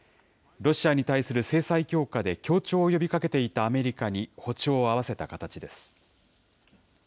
ロシアに対する制裁強化で、協調を呼びかけていたアメリカに歩調を合わせた形です。